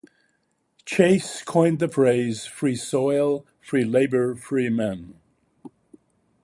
Chase coined the phrase "Free Soil, Free Labor, Free Men".